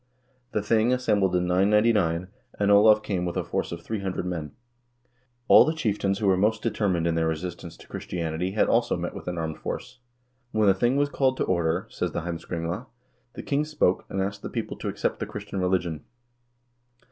The thing assembled in 999, and Olav came with a force of 300 men. All the chieftains who were most deter mined in their resistance to Christianity had also met with an armed force. When the thing was called to order, says the "Heimskringla," the king spoke, and asked the people to accept the Christian religion.